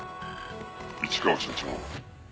市川社長。